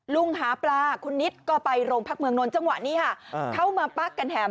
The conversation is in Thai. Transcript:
ลุงหาปลาคุณนิดก็ไปโรงพักเมืองนนทจังหวะนี้ค่ะเข้ามาปั๊กกันแถม